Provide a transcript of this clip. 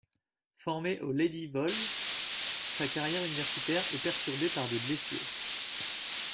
Formée aux Lady Vols, sa carrière universitaire est perturbée par des blessures.